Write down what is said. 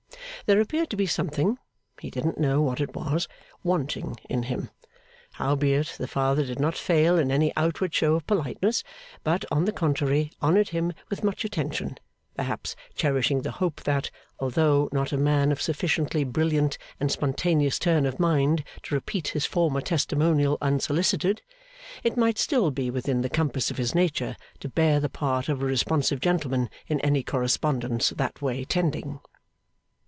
There appeared to be something (he didn't know what it was) wanting in him. Howbeit, the father did not fail in any outward show of politeness, but, on the contrary, honoured him with much attention; perhaps cherishing the hope that, although not a man of a sufficiently brilliant and spontaneous turn of mind to repeat his former testimonial unsolicited, it might still be within the compass of his nature to bear the part of a responsive gentleman, in any correspondence that way tending.